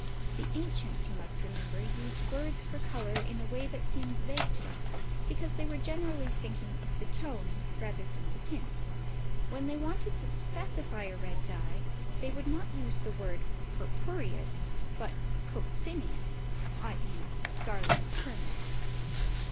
The ancients, you must remember, used words for colours in a way that seems vague to us, because they were generally thinking of the tone rather than the tint. When they wanted to specify a red dye they would not use the word purpureus, but coccineus, i.e. scarlet of kermes.